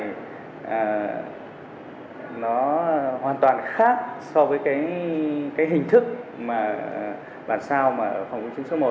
ờ nó hoàn toàn khác so với cái hình thức mà bản sao ở phòng công chứng số một